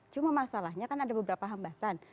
cuma masalahnya kan ada beberapa hambatan